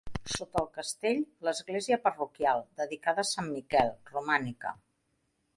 Sota el castell, l'església parroquial, dedicada a Sant Miquel, romànica.